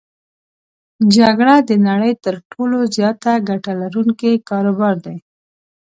جګړه د نړی تر ټولو زیاته ګټه لرونکی کاروبار دی.